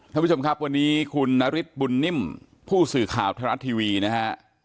ท่านผู้ชมครับวันนี้คุณนฤทธิบุญนิ่มผู้สื่อข่าวไทยรัฐทีวีนะฮะ